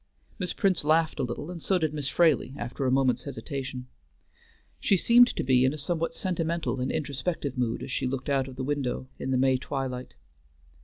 Miss Prince laughed a little, and so did Miss Fraley after a moment's hesitation. She seemed to be in a somewhat sentimental and introspective mood as she looked out of the window in the May twilight.